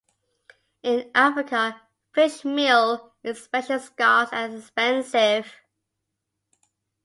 In Africa, fish meal is especially scarce and expensive.